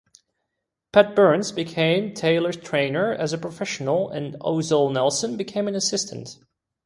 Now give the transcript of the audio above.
Pat Burns became Taylor's trainer as a professional and Ozell Nelson became an assistant.